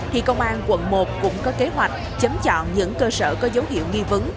thì công an quận một cũng có kế hoạch chấm chọn những cơ sở có dấu hiệu nghi vấn